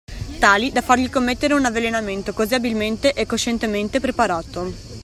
Tali da fargli commettere un avvelenamento così abilmente e coscientemente preparato.